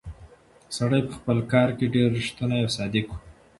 سړی په خپل کار کې ډېر ریښتونی او صادق و.